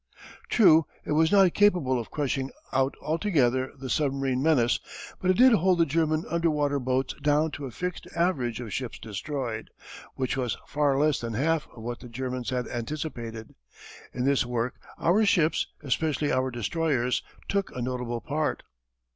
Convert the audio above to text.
True it was not capable of crushing out altogether the submarine menace, but it did hold the German underwater boats down to a fixed average of ships destroyed, which was far less than half of what the Germans had anticipated. In this work our ships, especially our destroyers, took a notable part.